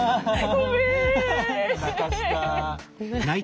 ごめん。